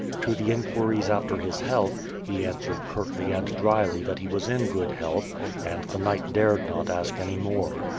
To the inquiries after his health, he answered curtly and dryly that he was in good health, and the knight dared not ask any more.